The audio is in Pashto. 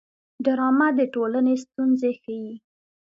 ډرامه د ټولنې ستونزې ښيي